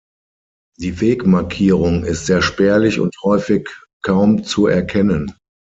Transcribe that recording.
Die Wegmarkierung ist sehr spärlich und häufig kaum zu erkennen.